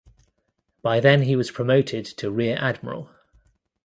By then he was promoted to rear admiral.